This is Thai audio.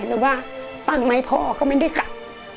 หรือว่าตันไหมพ่อก็ไม่ได้กลับ